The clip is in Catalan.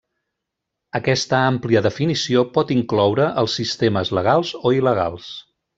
Aquesta àmplia definició pot incloure els sistemes legals o il·legals.